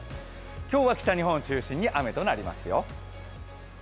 今日は北日本を中心に雨となりますよ。